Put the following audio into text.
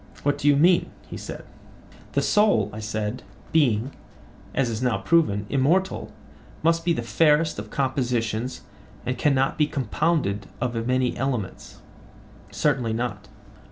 What do you mean? he said. The soul, I said, being, as is now proven, immortal, must be the fairest of compositions and cannot be compounded of many elements? Certainly not.